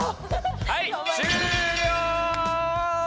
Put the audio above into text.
はい終了！